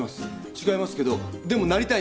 違いますけどでもなりたいんです